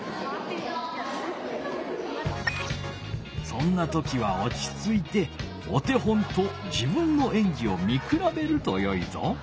そんな時はおちついてお手本と自分のえんぎを見くらべるとよいぞ。